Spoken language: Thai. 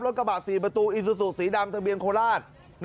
รถกระบาด๔ประตูอีซูสูตรสีดำทางเบียนโคลาศ